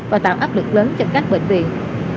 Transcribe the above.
và tạo áp lực lớn cho các bệnh viện